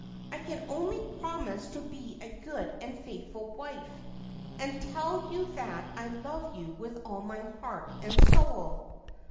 ' I can only promise to be a good and faithful wife, and tell you that I love you with all my heart and soul.